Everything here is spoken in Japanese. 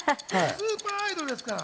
スーパーアイドルですから。